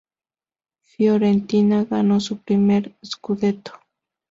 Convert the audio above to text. Fiorentina ganó su primer "scudetto".